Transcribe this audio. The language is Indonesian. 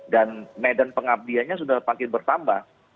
dan medan pengabdianya sudah makin bertambah